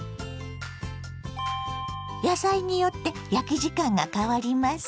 野菜によって焼き時間が変わります。